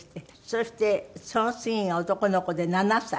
そしてその次が男の子で７歳。